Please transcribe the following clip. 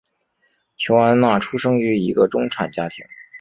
琼安娜出生于一个中产家庭。